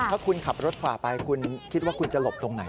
ถ้าคุณขับรถฝ่าไปคุณคิดว่าคุณจะหลบตรงไหน